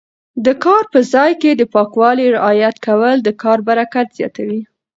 د کار په ځای کې د پاکوالي رعایت کول د کار برکت زیاتوي.